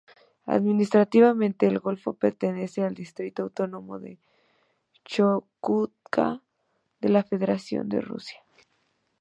Administrativamente, el golfo pertenece al distrito autónomo de Chukotka de la Federación de Rusia.